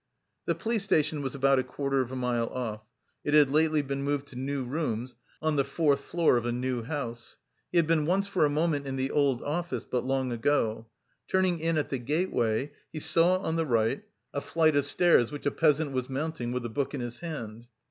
The police station was about a quarter of a mile off. It had lately been moved to new rooms on the fourth floor of a new house. He had been once for a moment in the old office but long ago. Turning in at the gateway, he saw on the right a flight of stairs which a peasant was mounting with a book in his hand.